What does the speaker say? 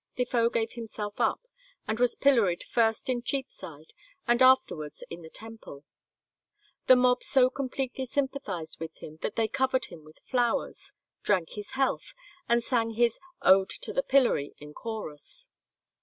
Defoe gave himself up, and was pilloried first in Cheapside, and afterwards in the Temple. The mob so completely sympathized with him, that they covered him with flowers, drank his health, and sang his "Ode to the Pillory" in chorus.